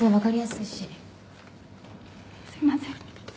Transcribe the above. すいません。